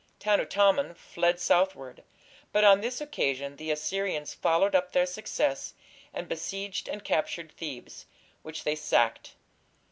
Tanutamon fled southward, but on this occasion the Assyrians followed up their success, and besieged and captured Thebes, which they sacked.